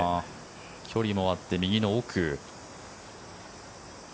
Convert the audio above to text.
距離もあって右の奥。